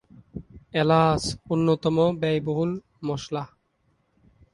এলাচ অন্যতম ব্যয়বহুল মশলা।